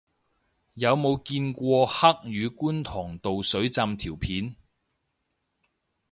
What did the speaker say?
有冇見過黑雨觀塘道水浸條片